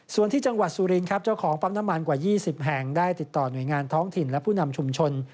ส่วนที่จังหวัดสุรินครับเจ้าของปั๊มน้ำมันกว่า๒๐แห่งได้ติดต่อหน่วยงานท้องถิ่นและผู้นำชุมชน